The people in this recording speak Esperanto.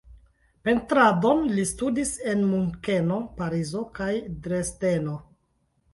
Pentradon li studis en Munkeno, Parizo kaj Dresdeno.